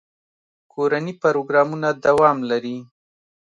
کورني پروګرامونه دوام لري.